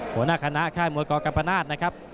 หัวหน้าคณะค่ายมวยกัมปนาศนะครับ